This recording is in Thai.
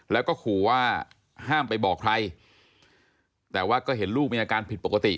แล้วก็ขู่ว่าห้ามไปบอกใครแต่ว่าก็เห็นลูกมีอาการผิดปกติ